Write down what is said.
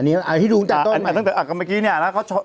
อันนี้อ่าที่ดูจากต้นไหมอ่าตั้งแต่อ่าก็เมื่อกี้เนี่ยนะเขาชน